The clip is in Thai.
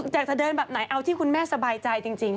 จะเดินแบบไหนเอาที่คุณแม่สบายใจจริง